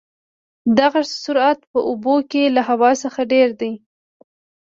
د غږ سرعت په اوبو کې له هوا څخه ډېر دی.